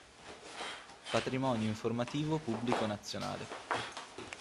Patrimonio informativo pubblico nazionale